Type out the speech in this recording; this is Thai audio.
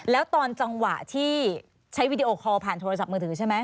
แล้วตอนจังหวะที่ใช้วีดีโอคอลผ่านโทรศัพท์มือถือใช่ไหม